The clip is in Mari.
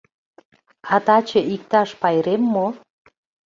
— А таче иктаж пайрем мо?